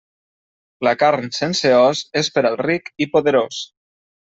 La carn sense os és per al ric i poderós.